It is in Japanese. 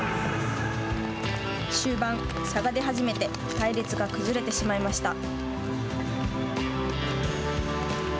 終盤、差が出始めて隊列が崩れてしまいました。